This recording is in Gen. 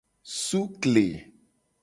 Sukle.